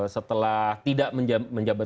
setelah tidak menjabat